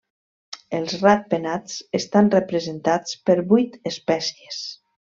Els ratpenats estan representats per vuit espècies.